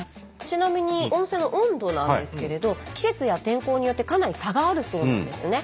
ちなみに温泉の温度なんですけれど季節や天候によってかなり差があるそうなんですね。